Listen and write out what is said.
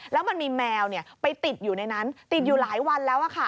แล้วมันมีแมวไปติดอยู่ในนั้นติดอยู่หลายวันแล้ว